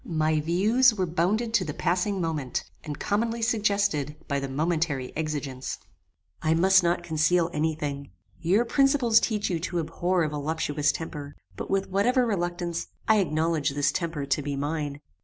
My views were bounded to the passing moment, and commonly suggested by the momentary exigence. "I must not conceal any thing. Your principles teach you to abhor a voluptuous temper; but, with whatever reluctance, I acknowledge this temper to be mine.